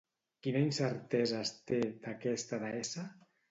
Quina incertesa es té, d'aquesta deessa?